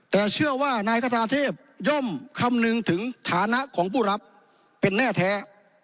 แต่เชื่อว่านายคาทาเทพย่อมคำนึงถึงฐานะของผู้รับเป็นแน่แท้